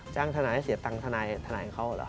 จ้างทนายเสียตังค์ทนายของเขาเหรอ